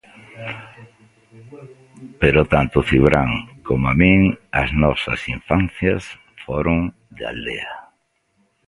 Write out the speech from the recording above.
Pero tanto Cibrán coma min, as nosas infancias foron de aldea.